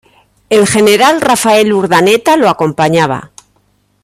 El general Rafael Urdaneta lo acompañaba.